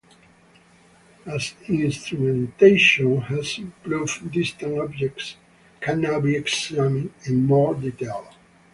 As instrumentation has improved, distant objects can now be examined in more detail.